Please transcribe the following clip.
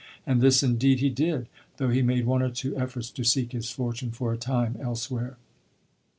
'" And this, indeed, he did, though he made one or two efforts to seek his fortune for a time elsewhere.